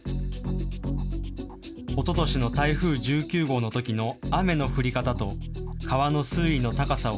おととしの台風１９号のときの雨の降り方と川の水位の高さを